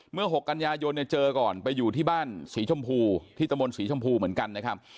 เมื่อหกกันยายนเจอก่อนไปอยู่ที่บ้านศรีชมพูที่ตำบลศรีชมพูเหมือนกันนะครับ